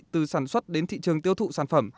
từ sản xuất đến thị trường tiêu thụ sản phẩm